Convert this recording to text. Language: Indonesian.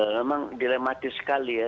memang dilematis sekali ya